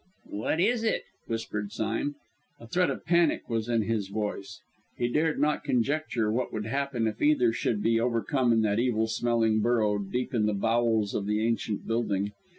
"What is it?" whispered Sime. A threat of panic was in his voice. He dared not conjecture what would happen if either should be overcome in that evil smelling burrow, deep in the bowels of the ancient building.